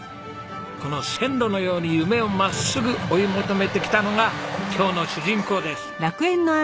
この線路のように夢を真っすぐ追い求めてきたのが今日の主人公です。